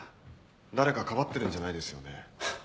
誰かかばってるんじゃないですよね？